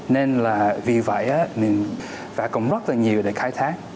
nên là vì vậy mình phải cũng rất là nhiều để khai thác